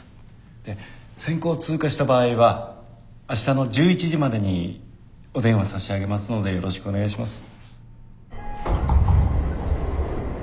選考通過した場合は明日の１１時までにお電話差し上げますのでよろしくお願いします。